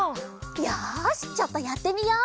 よしちょっとやってみよう！